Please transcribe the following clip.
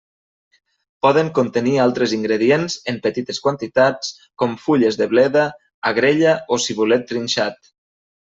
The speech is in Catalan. Poden contenir altres ingredients en petites quantitats, com fulles de bleda, agrella o cibulet trinxat.